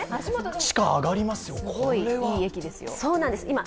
地価上がりますよ。